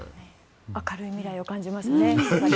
明るい未来を感じますね。